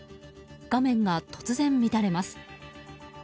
画面が突然、乱れます。